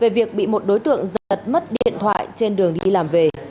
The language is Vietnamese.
về việc bị một đối tượng giật mất điện thoại trên đường đi làm về